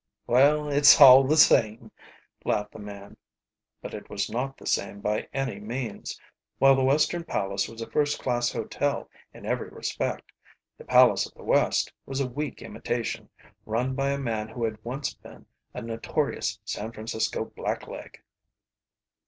"Well, it's all the same," laughed the man. But it was not the same by any means. While the Western Palace was a first class hotel in every respect, the Palace of the West was a weak imitation, run by a man who had once been a notorious San Francisco blackleg.